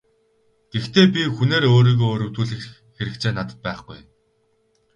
Гэхдээ би хүнээр өөрийгөө өрөвдүүлэх хэрэгцээ надад байхгүй.